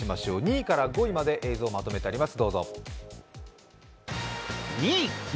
２位から５位まで映像まとめてあります。